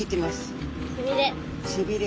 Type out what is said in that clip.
背びれ。